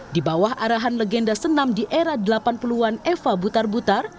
di bawah arahan legenda senam di era delapan puluh an eva butar butar